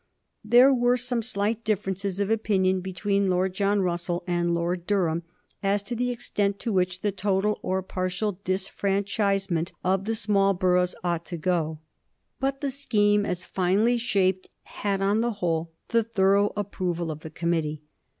There were some slight differences of opinion between Lord John Russell and Lord Durham as to the extent to which the total or partial disfranchisement of the small boroughs ought to go, but the scheme, as finally shaped, had on the whole the thorough approval of the committee.